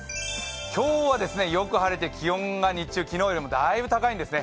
今日はよく晴れて、気温が日中、昨日よりもだいぶ高いんですね。